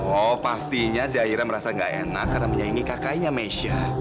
oh pastinya zaira merasa gak enak karena menyaingi kakaknya mesya